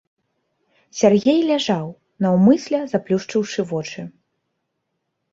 Сяргей ляжаў, наўмысля заплюшчыўшы вочы.